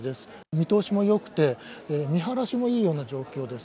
見通しもよくて、見晴らしもいいような状況です。